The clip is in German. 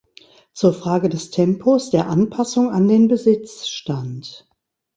Zur Frage des Tempos der Anpassung an den Besitzstand.